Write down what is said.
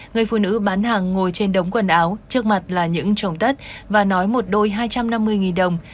người phụ nữ bán hàng ngồi trên đống quần áo trước mặt là những trồng tất và nói một đôi hai trăm năm mươi đồng